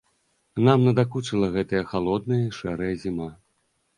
Нам надакучыла гэтая халодная і шэрая зіма.